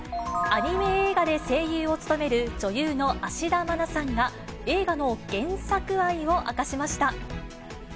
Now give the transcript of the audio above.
アニメ映画で声優を務める女優の芦田愛菜さんが、映画の原作愛を明かしました。